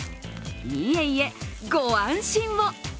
いえいえ、ご安心を！